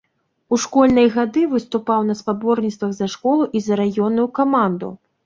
У школьныя гады выступаў на спаборніцтвах за школу і за раённую каманду.